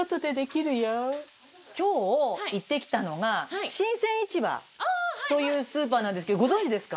今日行ってきたのが新鮮市場というスーパーなんですけどご存じですか？